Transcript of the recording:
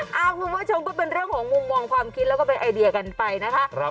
คุณผู้ชมก็เป็นเรื่องของมุมมองความคิดแล้วก็เป็นไอเดียกันไปนะคะ